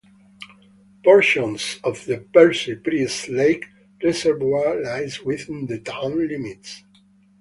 Portions of the Percy Priest Lake reservoir lies within the town limits.